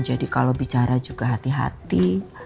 kalau bicara juga hati hati